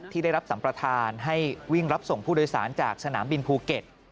ที่ได้รับสัมประธานให้วิ่งรับส่งผู้โดยสารจากสนามบินภูเก็ต